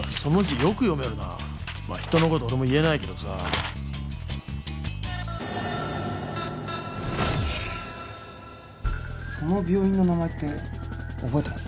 よく読めるなまあ人のこと俺も言えないけどさその病院の名前って覚えてます？